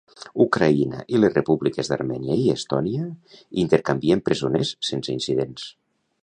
Ucraïna i les repúbliques d'Armènia i Estònia intercanvien presoners sense incidents.